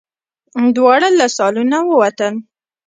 دواړه له سالونه ووتل.